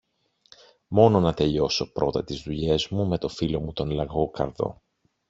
Μόνο να τελειώσω πρώτα τις δουλειές μου με το φίλο μου τον Λαγόκαρδο.